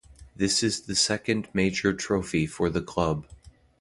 This is the second major trophy for the club.